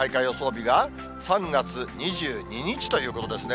日が３月２２日ということですね。